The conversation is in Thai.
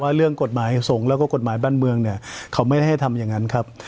เรื่องกฎหมายสงฆ์แล้วก็กฎหมายบ้านเมืองเนี่ยเขาไม่ได้ให้ทำอย่างนั้นครับ